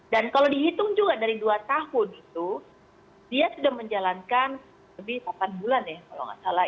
dan kalau dihitung juga dari dua tahun itu dia sudah menjalankan lebih delapan bulan ya kalau tidak salah